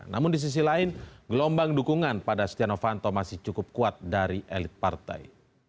namun di sisi lain gelombang dukungan pada stiano fanto masih cukup kuat dari elit partai